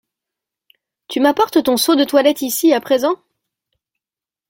Tu m’apportes ton seau de toilette ici, à présent ?